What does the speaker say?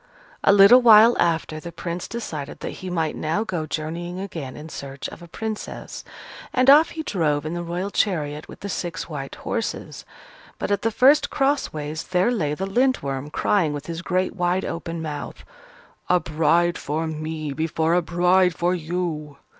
A little while after, the Prince decided that he might now go journeying again in search of a Princess. And off he drove in the Royal chariot with the six white horses. But at the first cross ways, there lay the Lindworm, crying with his great wide open mouth, "A bride for me before a bride for you!"